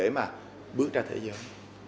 để mà bước ra thế giới